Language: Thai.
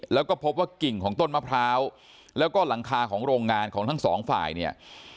แล้วก็พบว่ากิ่งของต้นมะพร้าวแล้วก็หลังคาของโรงงานของทั้งสองฝ่ายเนี่ย